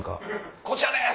「こちらです！」。